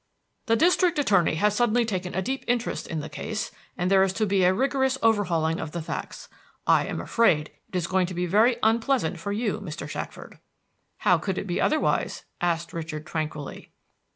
"The district attorney has suddenly taken a deep interest in the case, and there is to be a rigorous overhauling of the facts. I am afraid it is going to be very unpleasant for you, Mr. Shackford." "How could it be otherwise?" asked Richard, tranquilly.